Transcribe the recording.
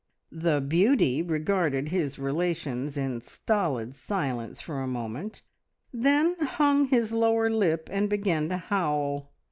The beauty regarded his relations in stolid silence for a moment, then hung his lower lip and began to howl.